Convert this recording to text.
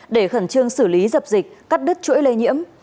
để khẩn trương xử lý dập dịch cắt đứt chuỗi lây nhiễm